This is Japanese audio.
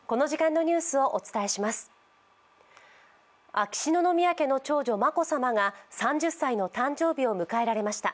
秋篠宮家の長女・眞子さまが３０歳の誕生日を迎えられました。